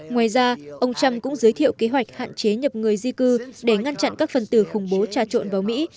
ngoài ra ông trump cũng giới thiệu kế hoạch hạn chế nhập người di cư để ngăn chặn các phần tử khủng bố trà trộn vào mỹ